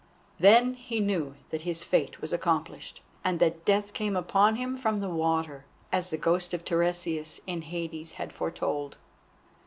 Then he knew that his fate was accomplished, and that death came upon him from the water, as the ghost of Tiresias in Hades had foretold.